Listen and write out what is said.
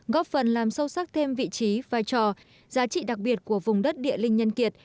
góp phần làm sâu sắc thêm vị trí vai trò giá trị đặc biệt của vùng đất địa linh nhân kiệt